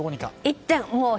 １点。